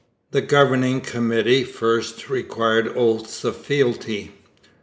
The Governing Committee first required oaths of fealty.